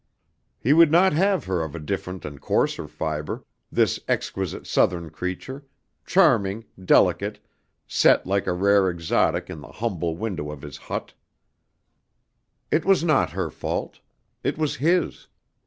He would not have her of a different and coarser fibre, this exquisite Southern creature, charming, delicate, set like a rare exotic in the humble window of his hut. It was not her fault. It was his.